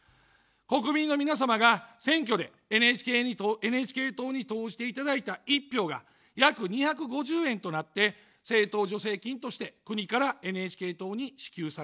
国民の皆様が選挙でＮＨＫ党に投じていただいた１票が約２５０円となって政党助成金として国からＮＨＫ党に支給されます。